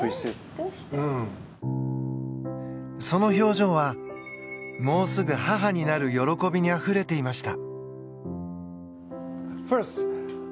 その表情はもうすぐ母になる喜びにあふれていました。